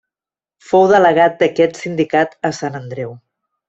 Fou delegat d'aquest sindicat a Sant Andreu.